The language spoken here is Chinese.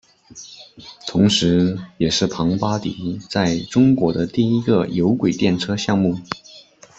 同时也是庞巴迪在中国的第一个有轨电车项目。